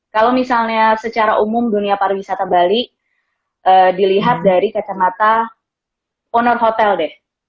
kalau misalnya secara umum dunia pariwisata bali dilihat dari kata mata owner hotel deh